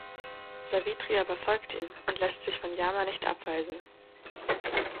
Savitri aber folgt ihm und lässt sich von Yama nicht abweisen.